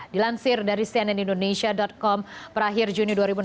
dilansir dari cnnindonesia com perakhir juni dua ribu enam belas